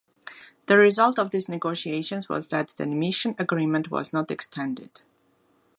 The result of these negotiations was that the mission agreement was not extended.